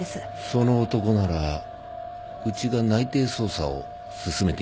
その男ならうちが内偵捜査を進めています。